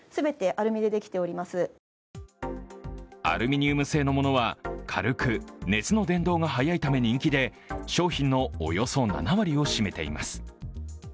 アルミニウム製のものは軽く、熱の伝導が早いため人気で商品のおよそ７割を占めています。